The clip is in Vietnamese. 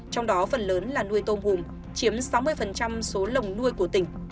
trong đó phần lớn là nuôi tôm hùm chiếm sáu mươi số lồng nuôi của tỉnh